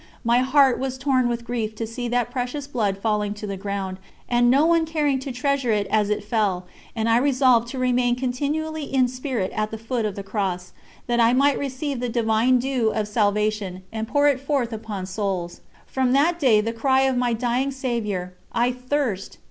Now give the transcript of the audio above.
My heart was torn with grief to see that Precious Blood falling to the ground, and no one caring to treasure It as It fell, and I resolved to remain continually in spirit at the foot of the Cross, that I might receive the Divine Dew of Salvation and pour it forth upon souls. From that day the cry of my dying Saviour "I thirst!"